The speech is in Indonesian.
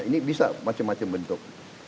ini bisa macam macam bentuk